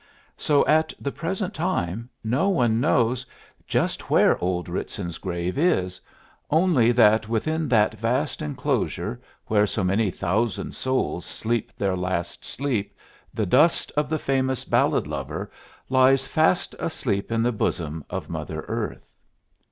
So at the present time no one knows just where old Ritson's grave is, only that within that vast enclosure where so many thousand souls sleep their last sleep the dust of the famous ballad lover lies fast asleep in the bosom of mother earth.